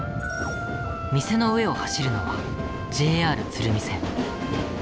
店の上を走るのはＪＲ鶴見線。